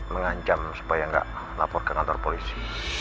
mengancam supaya nggak lapor ke kantor polisi